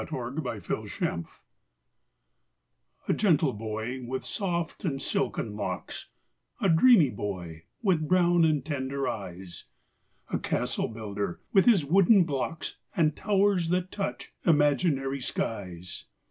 THE CASTLE BUILDER A gentle boy, with soft and silken locks A dreamy boy, with brown and tender eyes, A castle builder, with his wooden blocks, And towers that touch imaginary skies.